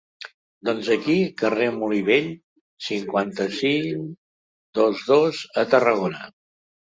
Doncs aquí: carrer Molí Vell, cinquanta-cinc, dos-dos, a Tarragona.